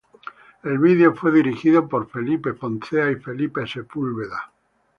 El video fue dirigido por Felipe Foncea y Felipe Sepulveda.